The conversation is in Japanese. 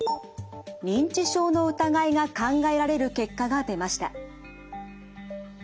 認知症の疑いが考えられる結果が出ました。